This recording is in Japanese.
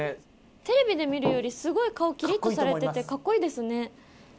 テレビで見るよりすごい顔キリッとされててかっこいいですね。